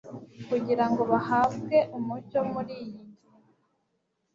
kugira ngo bahabwe umucyo kuri iyi ngingo